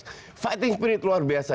kedengaran pertempuran luar biasa